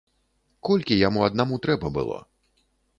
Колькі яму аднаму трэба было?